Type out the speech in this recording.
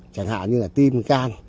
chẳng hạn như là tim can